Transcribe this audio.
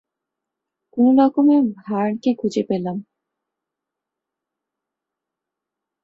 কোনরকমে ভার্নকে খুঁজে পেলাম।